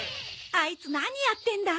あいつ何やってんだ？